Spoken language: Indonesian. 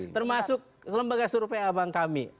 termasuk lembaga survei abang kami